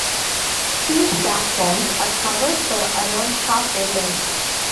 These platforms are covered for around half their length.